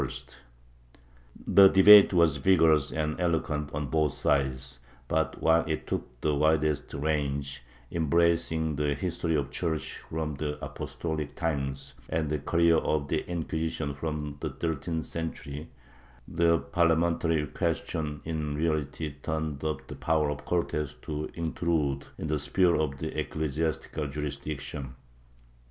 — Dis cusion, pp 215, 229, 397, 412 DECADENCE AND EXTINCTION [Book IX The debate was vigorous and eloquent on both sides but, while it took the widest range, embracing the history of the Church from apostolic times and the career of the Inquisition from the thirteenth century, the parliamentary question in reality turned upon the power of the Cortes to intrude in the sphere of ecclesiastical juris diction.